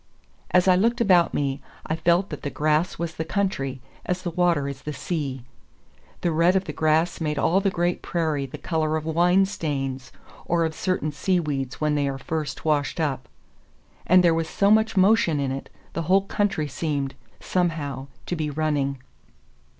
As I looked about me I felt that the grass was the country, as the water is the sea. The red of the grass made all the great prairie the color of wine stains, or of certain seaweeds when they are first washed up. And there was so much motion in it; the whole country seemed, somehow, to be running.